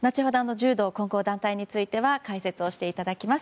柔道混合団体については解説をしていただきます。